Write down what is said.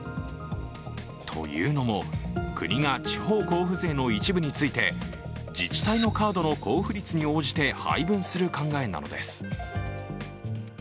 というのも、国が地方交付税の一部について自治体のカードの交付率に応じて配分する考えなのです。